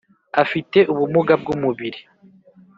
Afite ubumuga bw umubiri